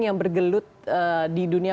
yang bergelut di dunia